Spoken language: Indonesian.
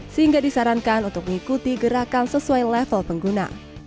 sehingga disarankan untuk mengikuti gerakan sesuai level pengguna